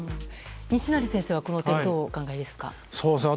西成先生はこの点、どうお考えですか。